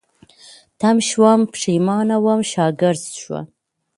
تم شوم، پيښمانه وم، شاګرځ شوم